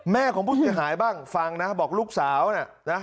ของผู้เสียหายบ้างฟังนะบอกลูกสาวน่ะนะ